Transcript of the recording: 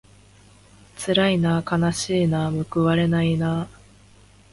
つらいなあかなしいなあむくわれないなあ